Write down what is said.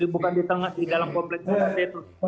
bukan di dalam komplek mahad al zaitun